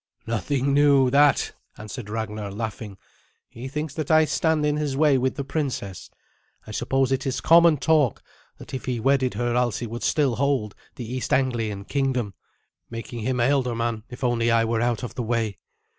"Nothing new, that," answered Ragnar, laughing. "He thinks that I stand in his way with the princess. I suppose it is common talk that if he wedded her Alsi would still hold the East Anglian kingdom, making him ealdorman, if only I were out of the way.